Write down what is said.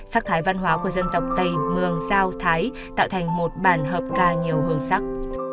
sắc thái văn hóa của dân tộc tây mường giao thái tạo thành một bản hợp ca nhiều hương sắc